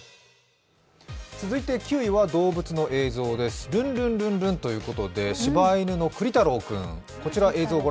続いて９位は動物の映像ですルンルンルンルンということでしば犬の栗太郎君。